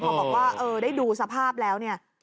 พอบอกว่าได้ดูสภาพแล้วเนี่ย